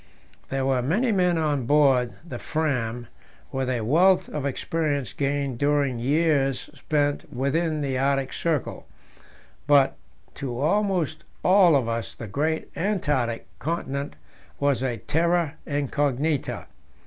There were many men on board the Fram with a wealth of experience gained during years spent within the Arctic Circle, but to almost all of us the great Antarctic continent was a terra incognita.